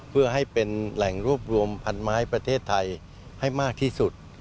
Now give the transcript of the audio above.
เพื่อให้เป็นแหล่งรวบรวมพันไม้ประเทศไทยให้มากที่สุด